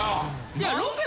いや。